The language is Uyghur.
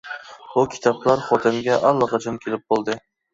بۇ كىتابلار خوتەنگە ئاللىقاچان كېلىپ بولدى.